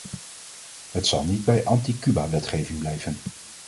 Het zal niet bij anti-Cubawetgeving blijven.